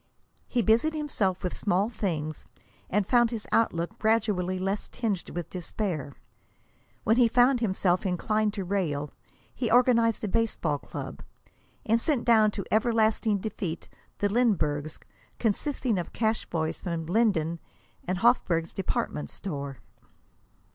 He busied himself with small things, and found his outlook gradually less tinged with despair. When he found himself inclined to rail, he organized a baseball club, and sent down to everlasting defeat the Linburgs, consisting of cash boys from Linden and Hofburg's department store.